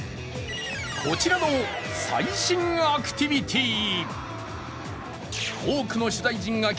こちらの最新アクティビティ。